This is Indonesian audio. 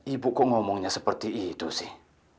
ibu kok ngomongnya seperti itu sih